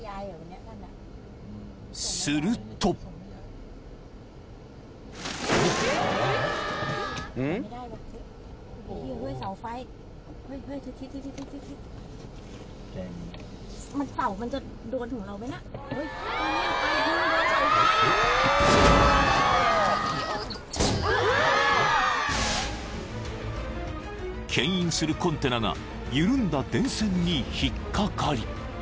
［けん引するコンテナが緩んだ電線に引っかかり］